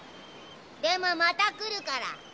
でもまた来るから。